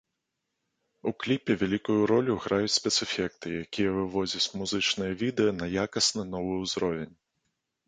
У кліпе вялікую ролю граюць спецэфекты, якія выводзяць музычнае відэа на якасна новы ўзровень.